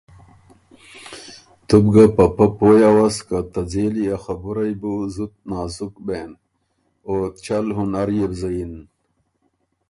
تُو بو ګه په پۀ پویٛ اؤس که ته ځېلی ا خبُرئ بُو زُت نازُک بېن۔ او چل هُنر يې بو زَیِن۔